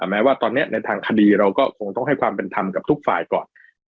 แม้ว่าตอนนี้ในทางคดีเราก็คงต้องให้ความเป็นธรรมกับทุกฝ่ายก่อน